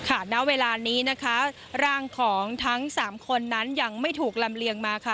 ณเวลานี้นะคะร่างของทั้งสามคนนั้นยังไม่ถูกลำเลียงมาค่ะ